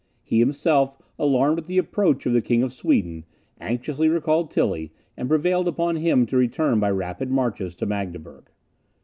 He himself, alarmed at the approach of the King of Sweden, anxiously recalled Tilly, and prevailed upon him to return by rapid marches to Magdeburg.